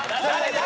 誰？